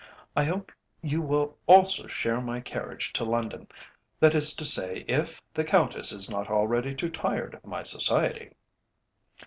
"I hope you will also share my carriage to London, that is to say if the Countess is not already too tired of my society."